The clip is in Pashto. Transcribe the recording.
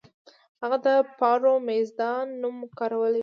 هغه د پاروپامیزاد نوم کارولی و